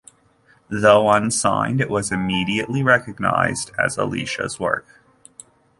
Though unsigned, it was immediately recognised as Alicia's work.